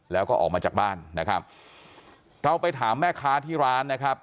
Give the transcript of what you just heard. แล้วก็ออกมาจากบ้านนะครับเราไปถามแม่ค้าที่ร้านนะครับ